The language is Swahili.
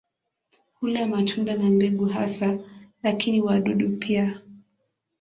Hula matunda na mbegu hasa, lakini wadudu pia.